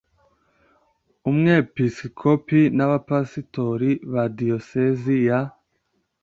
umwepisikopi n abapasitori ba diyosezi ya